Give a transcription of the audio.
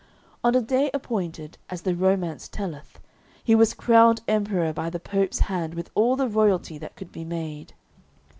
On a day appointed, as the romance telleth, he was crowned emperor by the Pope's hand with all the royalty that could be made.